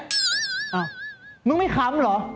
อ้าวมึงไม่ค้ำเหรอ